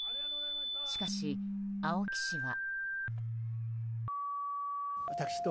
しかし青木氏は。